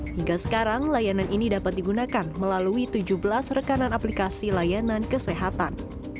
hingga sekarang layanan ini dapat digunakan melalui tujuh belas rekanan aplikasi layanan kesehatan